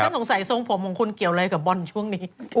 คือชั้นสงสัยทรงปวงคุณเกี่ยวอะไรกับบอลช่วงนี้